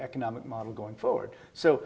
dalam pertanyaan infrastruktur